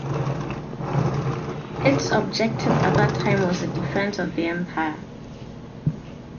Its objective at that time was the defence of the Empire.